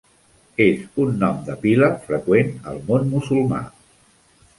És un nom de pila, freqüent al món musulmà.